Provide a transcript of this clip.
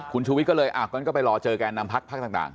คุณชุวิตก็เลยอ่ะก็ไปรอเจอกันแกนนำพักพักต่าง